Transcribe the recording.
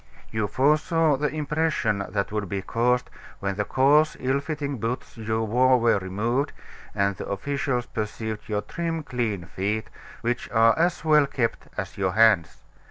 You foresaw the impression that would be caused when the coarse, ill fitting boots you wore were removed, and the officials perceived your trim, clean feet, which are as well kept as your hands.